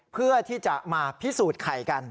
เพื่อที่จะมาพิสูจน์ไข่กัน